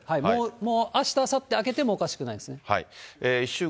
もうあした、あさって明けてもおかしくないですね。